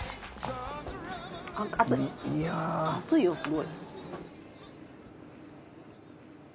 熱い熱いよすごい。